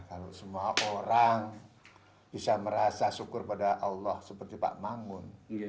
kalau semua orang bisa merasa syukur pada allah seperti pak mangun